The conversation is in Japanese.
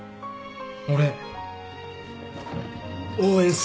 俺応援する。